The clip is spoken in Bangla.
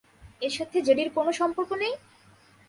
এর সাথে জেডির কোনো সম্পর্ক নেই?